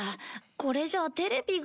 これじゃあテレビが。